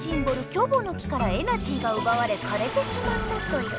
「キョボの木」からエナジーがうばわれかれてしまったソヨ。